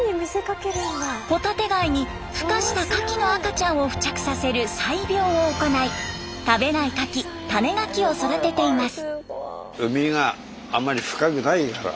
ホタテ貝にふ化したカキの赤ちゃんを付着させる採苗を行い食べないカキ「タネガキ」を育てています。